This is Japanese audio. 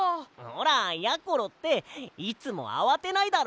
ほらやころっていつもあわてないだろ？